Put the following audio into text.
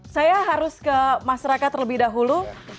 saya harus ke masyarakat terlebih dahulu